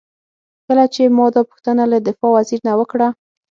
کله چې ما دا پوښتنه له دفاع وزیر نه وکړه.